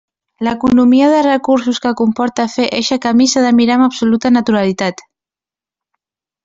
L'economia de recursos que comporta fer eixe camí s'ha de mirar amb absoluta naturalitat.